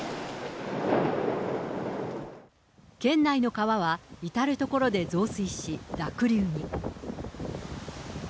県内の川は至る所で増水し、濁流に。